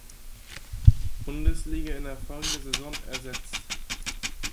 Bundesliga in der folgenden Saison ersetzt.